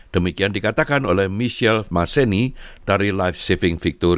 demikian saya berharap anda akan menemukan